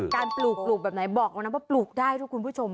การปลูกแบบไหนบอกว่าปลูกได้ทุกคุณผู้ชม